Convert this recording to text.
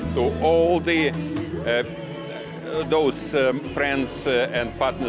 chúc mừng năm mới